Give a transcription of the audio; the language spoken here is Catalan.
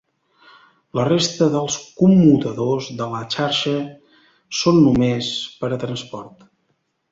La resta de commutadors de la xarxa són només per a transport.